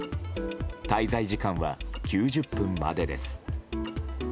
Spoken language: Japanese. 滞在時間は９０分までです。